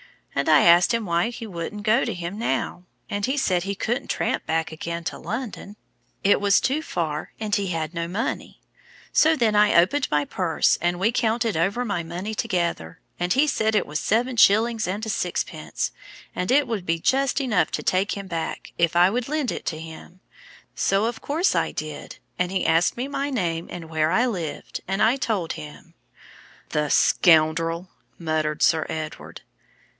And I asked him why he wouldn't go to him now, and he said he couldn't tramp back again to London, it was too far, and he had no money. So then I opened my purse, and we counted over my money together, and he said it was just enough to take him back, if I would lend it to him. So, of course, I did, and he asked me my name and where I lived, and I told him." "The scoundrel!" muttered Sir Edward.